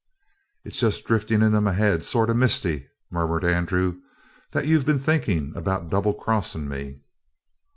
"It's just driftin' into my head, sort of misty," murmured Andrew, "that you've been thinkin' about double crossin' me."